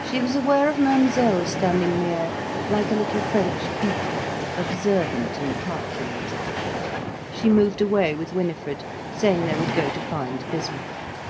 She was aware of Mademoiselle standing near, like a little French beetle, observant and calculating. She moved away with Winifred, saying they would go to find Bismarck.